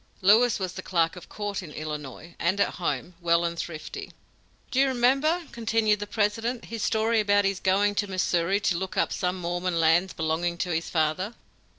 Lewis was the clerk of the court in Illinois, and at home, well and thrifty. "Do you remember," continued the President, "his story about his going to Missouri to look up some Mormon lands belonging to his father?"